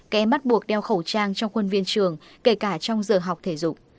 các em bắt buộc đeo khẩu trang trong quân viên trường kể cả trong giờ học thể dục